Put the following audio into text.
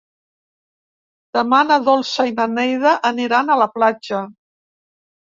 Demà na Dolça i na Neida aniran a la platja.